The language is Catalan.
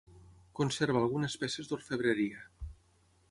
Conserva algunes peces d'orfebreria.